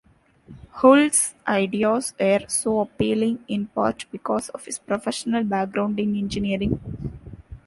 Hull's ideas were so appealing in part because of his professional background in engineering.